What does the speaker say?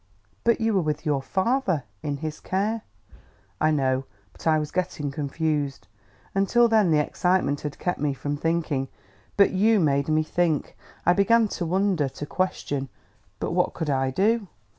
"But you were with your father, in his care " "I know, but I was getting confused. Until then the excitement had kept me from thinking. But you made me think. I began to wonder, to question ... But what could I do?"